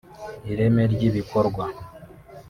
ireme ry’ibikorwa